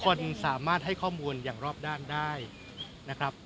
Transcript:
คนสามารถให้ข้อมูลอย่างรอบด้านได้นะครับ